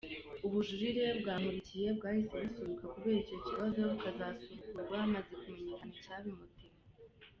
Ubujurire bwa Nkurikiye bwahise busubikwa kubera icyo kibazo, bukazasubukurwa hamaze kumenyekena icyabimuteye.